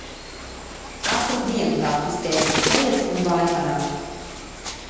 Katru dienu tā histēriķe kliedz un vaimanā.